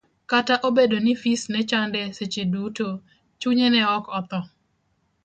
Kata obedo ni fis ne chande seche duto, chunye ne ok otho.